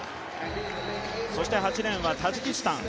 そして８レーンはタジキスタン